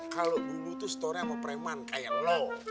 kalau dulu tuh storenya sama preman kayak lo